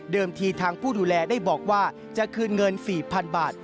ทีทางผู้ดูแลได้บอกว่าจะคืนเงิน๔๐๐๐บาท